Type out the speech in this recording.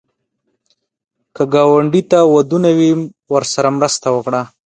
که ګاونډي ته ودونه وي، ورسره مرسته وکړه